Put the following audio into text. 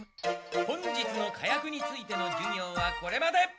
本日の火薬についての授業はこれまで。